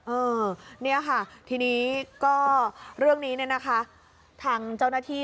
เออเนี่ยค่ะทีนี้ก็เรื่องนี้เนี่ยนะคะทางเจ้าหน้าที่